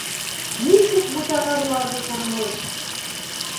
Нисек бутаған уларҙы тормош!